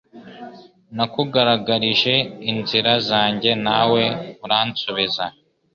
Nakugaragarije inzira zanjye nawe uransubiza